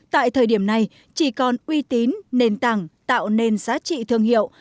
tại thời điểm này chỉ còn uy tín nền tảng tạo nên giá trị thương hiệu